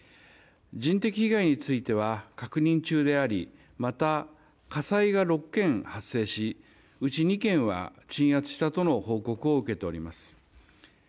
人的被害については確認中でありまた、火災が６件発生しうち２件は鎮圧したとの報告を受けています。